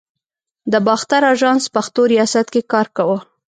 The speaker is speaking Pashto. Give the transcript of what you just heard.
د باختر آژانس پښتو ریاست کې کار کاوه.